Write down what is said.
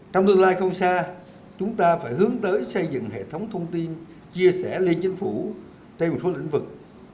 trong tương lai không xa chúng ta phải hướng tới xây dựng hệ thống thông tin chia sẻ liên chính phủ trên một số lĩnh vực